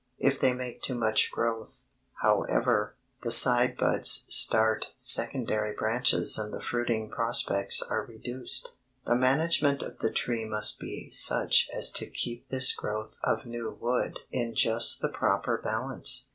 If they make too much growth, however, the side buds start secondary branches and the fruiting prospects are reduced. The management of the tree must be such as to keep this growth of new wood in just the proper balance.